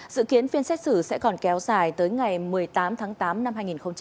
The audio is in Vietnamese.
dự kiến phiên xét xử sẽ còn kéo dài tới ngày một mươi tám tháng tám năm hai nghìn hai mươi